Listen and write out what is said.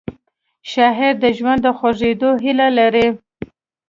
شاعر د ژوند د خوږېدو هیله لري